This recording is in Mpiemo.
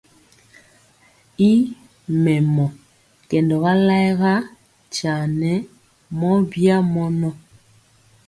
I mɛmɔ, kɛndɔga layega nkya nɛ mɔ bya mɔnɔ.